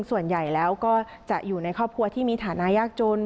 ส่วนใหญ่แล้วก็จะอยู่ในครอบครัวที่มีฐานะยากจน